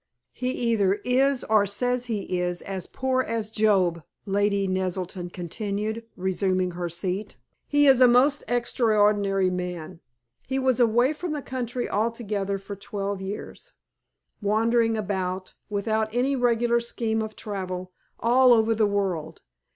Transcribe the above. "He either is or says he is as poor as Job," Lady Naselton continued, resuming her seat. "He is a most extraordinary man. He was away from the country altogether for twelve years, wandering about, without any regular scheme of travel, all over the world.